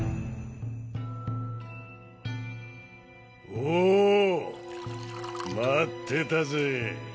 おう待ってたぜ。